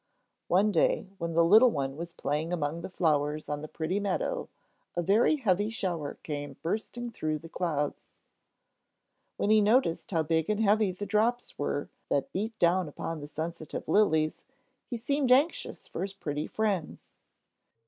One day, when the little one was playing among the flowers on the pretty meadow, a very heavy shower came bursting through the clouds. When he noticed how big and heavy the drops were that beat down upon the sensitive lilies, he seemed anxious for his pretty friends.